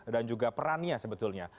dan juga perannya sebetulnya